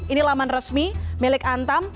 ini laman resmi milik antam